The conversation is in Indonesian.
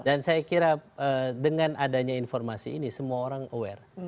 dan saya kira dengan adanya informasi ini semua orang aware